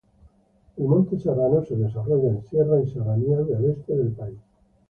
El monte serrano se desarrolla en sierras y serranías del este del país.